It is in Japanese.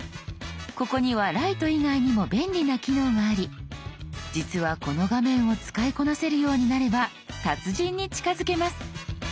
ここにはライト以外にも便利な機能があり実はこの画面を使いこなせるようになれば達人に近づけます。